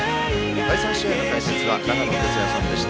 第３試合の解説は長野哲也さんでした。